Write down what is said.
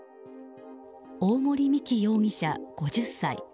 大森美樹容疑者、５０歳。